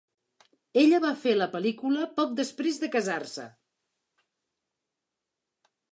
Ella va fer la pel·lícula poc després de casar-se.